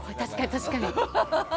確かに。